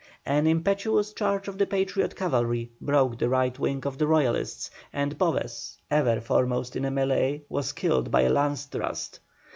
An impetuous charge of the Patriot cavalry broke the right wing of the Royalists, and Boves, ever foremost in a melée, was killed by a lance thrust.